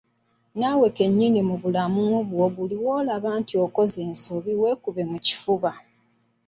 Naawe kennyini mu bulamu bwo buli lw'olaba nti okoze ensobi weekube mu kifuba.